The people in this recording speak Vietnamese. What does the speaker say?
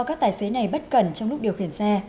các tài xế này bất cẩn trong lúc điều khiển xe